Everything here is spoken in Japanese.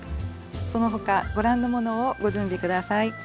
その他ご覧のものをご準備下さい。